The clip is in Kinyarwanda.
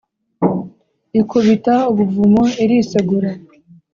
Ikubita ubuvumo irisegura.